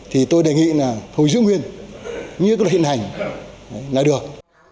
thì tôi đề nghị là hồi giữ nguyên như luật hiện hành là được